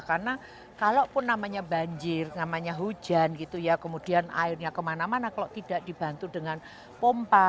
karena kalaupun namanya banjir namanya hujan gitu ya kemudian airnya kemana mana kalau tidak dibantu dengan pompa